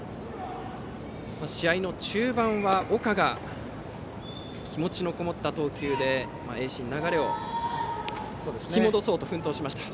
試合中盤は岡が気持ちのこもった投球で盈進の流れを引き戻そうと奮闘しました。